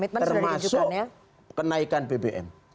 termasuk kenaikan bbm